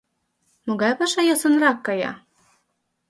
Могай паша йӧсынрак кая?